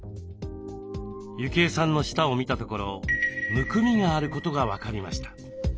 幸枝さんの舌を診たところむくみがあることが分かりました。